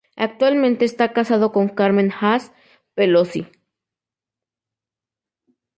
Actualmente está casado con Carmen Haas Pelosi.